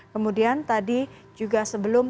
kemudian tadi juga sebelum